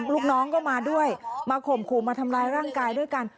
ลูกน้องก็มาด้วยมาข่มขู่มาทำร้ายร่างกายด้วยกัน